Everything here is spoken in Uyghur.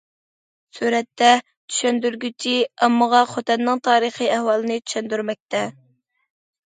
سۈرەتتە: چۈشەندۈرگۈچى ئاممىغا خوتەننىڭ تارىخىي ئەھۋالىنى چۈشەندۈرمەكتە.